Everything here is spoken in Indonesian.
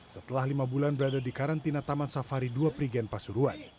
setelah lima bulan berada di karantina taman safari dua prigen pasuruan